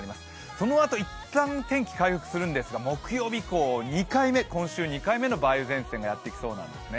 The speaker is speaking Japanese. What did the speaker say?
そのあといったん、天気は回復するんですが、木曜以降、今週２回目の梅雨前線がやってきそうです。